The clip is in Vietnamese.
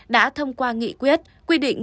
đã thông qua nghị quyết quy định